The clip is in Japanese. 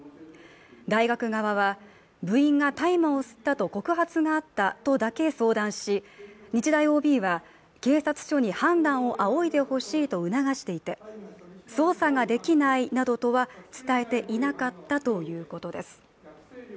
大学側は、部員が大麻を吸ったと告発があったとだけ相談し、日大ＯＢは警察署に判断をあおいでほしいと促していて捜査ができないなどとは伝えていなかったということです。